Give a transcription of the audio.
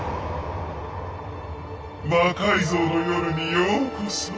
「魔改造の夜」にようこそ。